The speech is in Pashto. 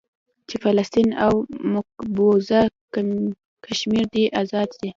چې فلسطين او مقبوضه کشمير دې ازاد سي.